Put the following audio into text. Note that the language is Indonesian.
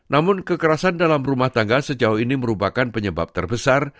namun kekerasan dalam rumah tangga sejauh ini merupakan penyebab terbesar